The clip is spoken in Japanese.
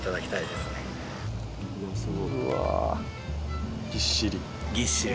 うわぎっしり。